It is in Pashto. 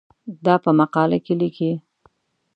دا په مقاله کې لیکې.